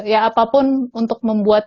ya apapun untuk membuat